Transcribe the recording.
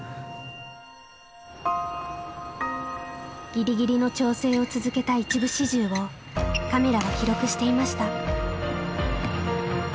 ギリギリの調整を続けた一部始終をカメラは記録していました。